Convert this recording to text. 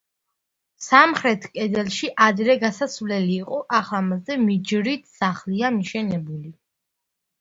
სამხრეთ კედელში ადრე გასასვლელი იყო, ახლა მასზე მიჯრით სახლია მიშენებული.